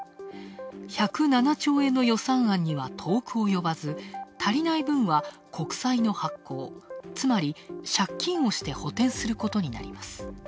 １０７兆円の予算案には遠く及ばず足りない分は国債の発行、つまり、借金をして補填することになります。